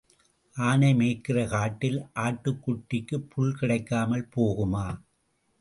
ஆனை மேய்கிற காட்டில் ஆட்டுக்குட்டிக்குப் புல் கிடைக்காமல் போகுமா?